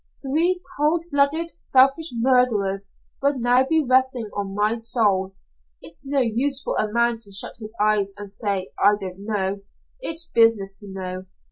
Three coldblooded, selfish murders would now be resting on my soul. It's no use for a man to shut his eyes and say 'I didn't know.' It's his business to know.